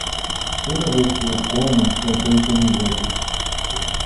Toda vez que eu como eu penso em risotos.